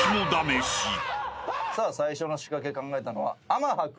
最初の仕掛け考えたのは天羽君。